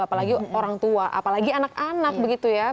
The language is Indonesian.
apalagi orang tua apalagi anak anak begitu ya